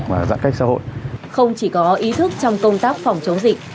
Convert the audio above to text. không chỉ có ý thức trong công tác phòng chống dịch